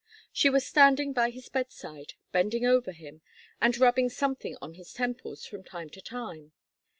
She was standing by his bedside, bending over him, and rubbing something on his temples from time to time.